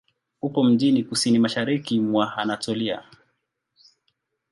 Upo mjini kusini-mashariki mwa Anatolia.